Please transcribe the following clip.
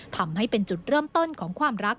ทำให้เป็นจุดเริ่มต้นของความรัก